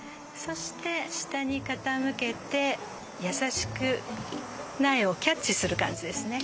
そして下に傾けて優しく苗をキャッチする感じですね。